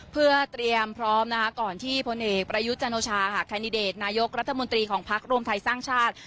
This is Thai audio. เพื่อเตรียมพร้อมก่อนที่พลเอกประยุทธ์จันโอชาแคนดิเดตนายกรัฐมนตรีของพักรวมไทยสร้างชาติ